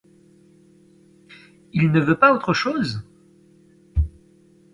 Il ne veut pas autre chose ?